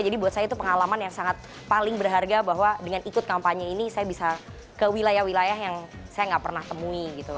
jadi buat saya itu pengalaman yang sangat paling berharga bahwa dengan ikut kampanye ini saya bisa ke wilayah wilayah yang saya enggak pernah temui gitu